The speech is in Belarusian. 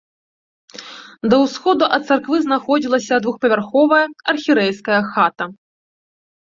Да ўсходу ад царквы знаходзілася двухпавярховая архірэйская хата.